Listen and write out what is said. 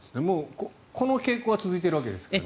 この傾向は続いているわけですよね。